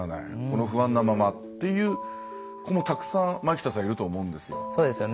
この不安なままっていう子もたくさん前北さんいると思うんですよ。